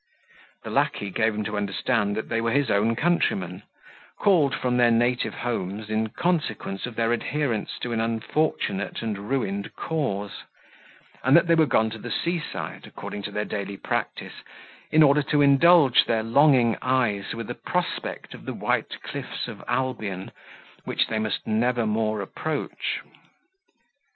The lacquey gave him to understand that they were his own countrymen, called from their native homes in consequence of their adherence to an unfortunate and ruined cause; and that they were gone to the sea side, according to their daily practice, in order to indulge their longing eyes with a prospect of the white cliffs of Albion, which they must never more approach.